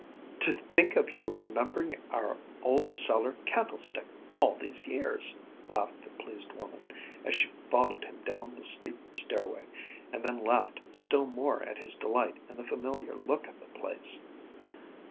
"To think of your remembering our old cellar candlestick all these years!" laughed the pleased woman, as she followed him down the steep stairway, and then laughed still more at his delight in the familiar look of the place.